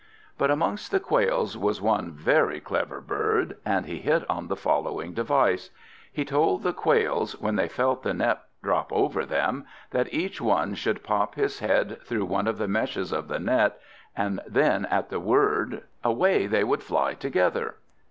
But amongst the quails was one very clever bird, and he hit on the following device: He told the quails, when they felt the net drop over them, that each one should pop his head through one of the meshes of the net, and then at the word, away they should fly together.